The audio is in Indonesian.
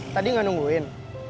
tadi gak nungguin